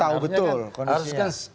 tahu betul kondisinya